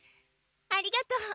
ありがとう。